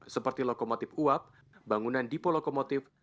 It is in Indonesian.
seperti lokomotif uap bangunan dipo lokomotif